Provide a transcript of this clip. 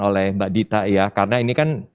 oleh mbak dita ya karena ini kan